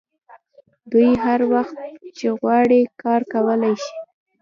دوی هر وخت چې وغواړي کار کولی شي